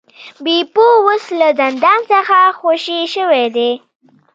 بیپو اوس له زندان څخه خوشې شوی دی.